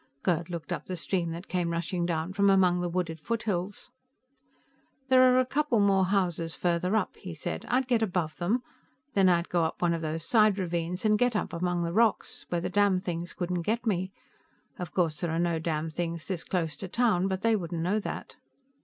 Gerd looked up the stream that came rushing down from among the wooded foothills. "There are a couple more houses farther up," he said. "I'd get above them. Then I'd go up one of those side ravines, and get up among the rocks, where the damnthings couldn't get me. Of course, there are no damnthings this close to town, but they wouldn't know that."